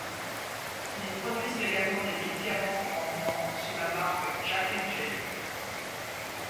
Ils produisent également des médicaments pour enfants sous la marque Jack & Jill.